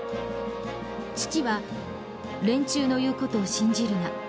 父は連中の言う事を信じるな。